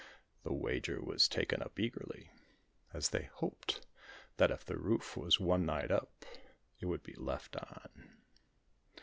The wager was taken up eagerly, as they hoped that if the roof was one night up, it would be left on.